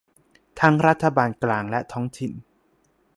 ทั้งรัฐบาลกลางและท้องถิ่น